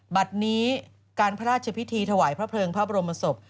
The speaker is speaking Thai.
บัตรนี้การพระราชพิธีถวายพระเพลิงพระบรมศพ